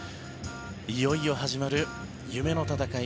いよいよ始まる夢の戦い。